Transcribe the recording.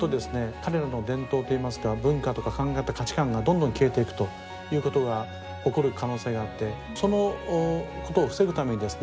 彼らの伝統といいますか文化とか考え方価値観がどんどん消えていくということが起こる可能性があってそのことを防ぐためにですね